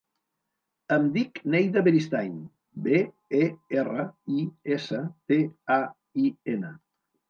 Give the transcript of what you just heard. Em dic Neida Beristain: be, e, erra, i, essa, te, a, i, ena.